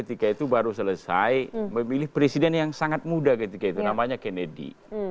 ketika itu baru selesai memilih presiden yang sangat muda ketika itu namanya kennedy